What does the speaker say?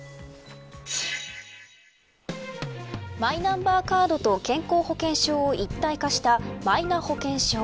マイナンバーカードと健康保険証を一体化したマイナ保険証。